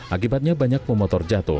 akibatnya banyak pemotor jatuh